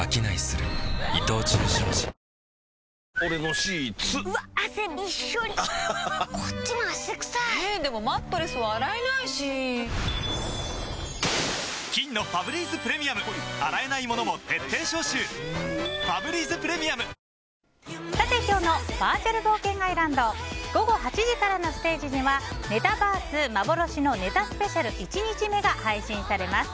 今日のバーチャル冒険アイランド午後８時からのステージではネタバース、幻のネタスペシャル１日目が配信されます。